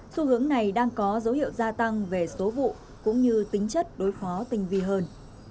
xu hướng này đang có dấu hiệu gia tăng về số vụ cũng như tính chất đối phó tình vi hơn